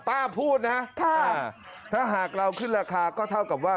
ป้าพูดนะถ้าหากเราขึ้นราคาก็เท่ากับว่า